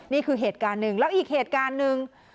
นี่คือเหตุการณ์หนึ่งแล้วอีกเหตุการณ์หนึ่ง